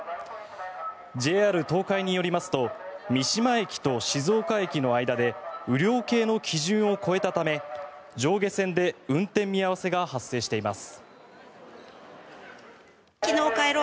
ＪＲ東海によりますと三島駅と静岡駅の間で雨量計の基準を超えたため上下線で運転見合わせが発生しています。